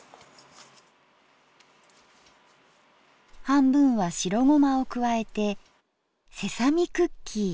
半分は白ごまを加えてセサミクッキー。